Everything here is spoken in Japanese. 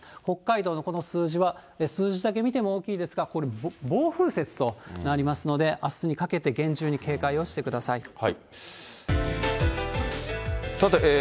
北海道のこの数字は、数字だけ見ても大きいですが、これ、暴風雪となりますので、あすにかけて厳重に警戒をしてください。